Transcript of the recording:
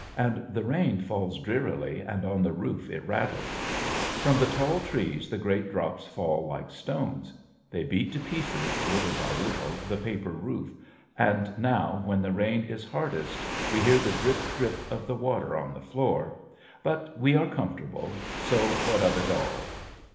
And the rain falls drearily and on the roof it rattles. From the tall trees the great drops fall like stones; they beat to pieces, little by little, the paper roof, and now when the rain is hardest we hear the drip, drip of the water on the floor. But we are comfortable so what of it all.